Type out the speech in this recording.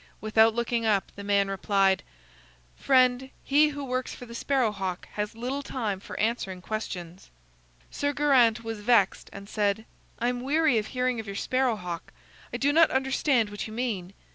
Without looking up the man replied: "Friend, he who works for the Sparrow hawk has little time for answering questions." Sir Geraint was vexed, and said: "I am weary of hearing of your Sparrow hawk. I do not understand what you mean.